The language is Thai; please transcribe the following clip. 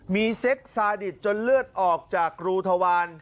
มีเซ็กซาดิตจนเลือดออกจากรูทวาร